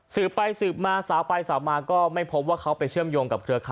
สืบไปสืบมาสาวไปสาวมาก็ไม่พบว่าเขาไปเชื่อมโยงกับเครือข่า